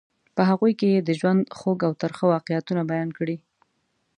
په هغوی کې یې د ژوند خوږ او ترخه واقعیتونه بیان کړي.